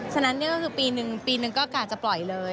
ฉะนั้นก็คือปีหนึ่งกะจะปล่อยเลย